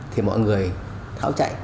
thì mọi người tháo chạy